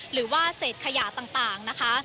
หรือว่าเศษขยะต่างนะคะ